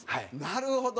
なるほど。